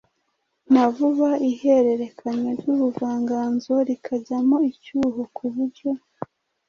na vuba, ihererekanywa ry’ubuvanganzo rikajyamo icyuho, ku buryo